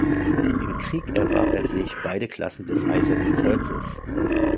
Im Krieg erwarb er sich beide Klassen des Eisernen Kreuzes.